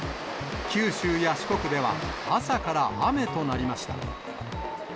九州や四国では、朝から雨となりました。